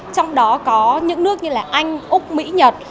trong đó có những nước như là anh úc mỹ nhật